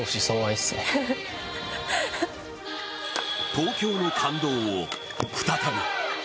東京の感動を再び。